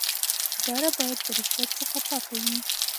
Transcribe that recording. اداره باید د رشوت څخه پاکه وي.